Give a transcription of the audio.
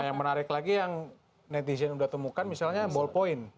nah yang menarik lagi yang netizen sudah temukan misalnya ballpoint